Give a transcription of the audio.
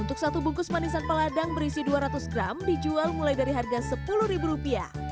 untuk satu bungkus manisan peladang berisi dua ratus gram dijual mulai dari harga rp sepuluh